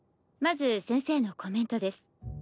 まず先生のコメントです。